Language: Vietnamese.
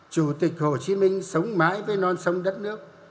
chủ tịch hồ chí minh sống mãi với non sông đất nước